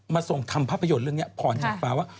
ทรงทำภาพยนตร์เรื่องนี้พรจากฟ้าว่า